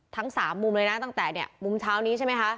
ทั้ง๓มุมเลยนะตั้งแต่เนี่ยมุมเช้านี้ใช่ไหมคะ